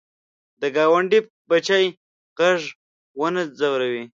د ګاونډي بچي غږ ونه ځوروې